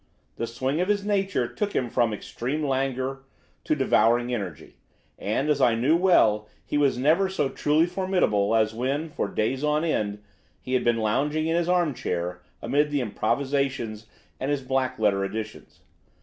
The swing of his nature took him from extreme languor to devouring energy; and, as I knew well, he was never so truly formidable as when, for days on end, he had been lounging in his armchair amid his improvisations and his black letter editions.